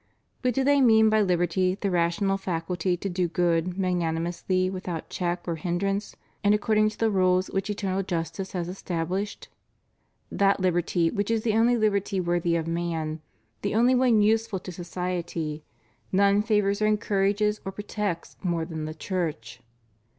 But do they mean by liberty the rational faculty to do good, magnanimously, without check or hindrance and according to the rule* REVIEW OF HIS PONTIFICATE. 571 which eternal justice has established? That liberty which is the only liberty worthy of man, the only one useful to society, none favors or encourages or protects more than the Church.